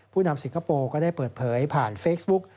นำสิงคโปร์ก็ได้เปิดเผยผ่านเฟซบุ๊ก